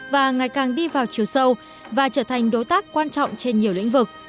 và ngày càng đi vào chiều sâu và trở thành đối tác quan trọng trên nhiều lĩnh vực